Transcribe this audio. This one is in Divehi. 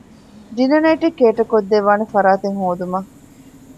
ޑިނަރ ނައިޓެއް ކޭޓަރ ކޮށްދެއްވާނޭ ފަރާތެއް ހޯދުމަށް